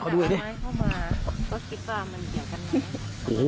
ขอดูเดี่ยว